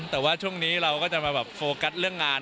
แต่ว่าช่วงนี้เราก็จะมาแบบโฟกัสเรื่องงาน